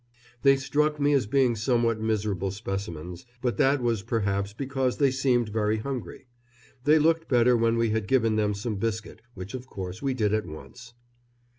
They struck me as being somewhat miserable specimens, but that was perhaps because they seemed very hungry. They looked better when we had given them some biscuit, which of course we did at once.